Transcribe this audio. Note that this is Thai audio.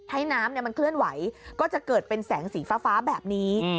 ให้น้ำมันเคลื่อนไหวก็จะเกิดเป็นแสงสีฟ้าแบบนี้